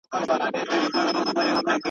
گيدړي ته خپله لکۍ بلا سوه.